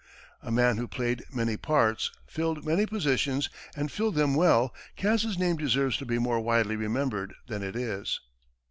A man who played many parts, filled many positions, and filled them well, Cass's name deserves to be more widely remembered than it is.